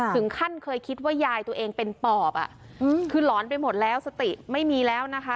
ถึงขั้นเคยคิดว่ายายตัวเองเป็นปอบคือหลอนไปหมดแล้วสติไม่มีแล้วนะคะ